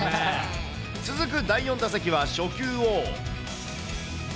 続く第４打席は初球を。